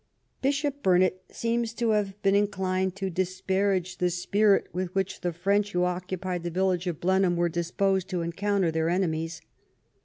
Bishop Burnet seems to have been inclined to dis parage the spirit with which the French who occupied the village of Blenheim were disposed to encounter their enemies.